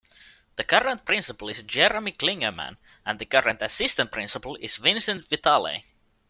The current principal is Jeramy Clingerman, and the current assistant principal is Vincent Vitale.